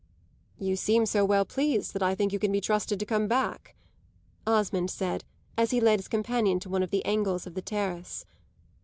"You seem so well pleased that I think you can be trusted to come back," Osmond said as he led his companion to one of the angles of the terrace.